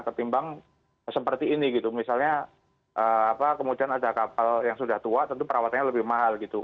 ketimbang seperti ini gitu misalnya kemudian ada kapal yang sudah tua tentu perawatannya lebih mahal gitu